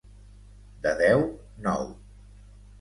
De deu, nou.